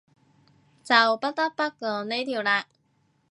就不得不講呢條喇